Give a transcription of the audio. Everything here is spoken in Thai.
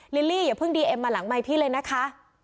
ลิลลี่อย่าเพิ่งดีเอ็มมาหลังไมค์พี่เลยนะคะ